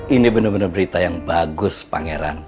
ini bener bener berita yang bagus pangeran